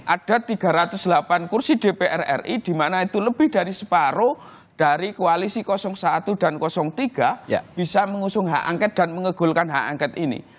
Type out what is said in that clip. ada tiga ratus delapan kursi dpr ri di mana itu lebih dari separuh dari koalisi satu dan tiga bisa mengusung hak angket dan mengegulkan hak angket ini